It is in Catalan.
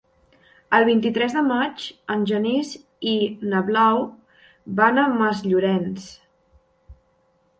El vint-i-tres de maig en Genís i na Blau van a Masllorenç.